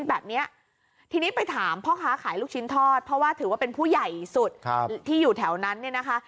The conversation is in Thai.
แบบนี้ทีนี้ไปถามพ่อค้าขายลูกชิ้นทอดเพราะว่าถือว่าเป็นผู้ใหญ่สุดที่อยู่แถวนั้นเนี่ยนะคะ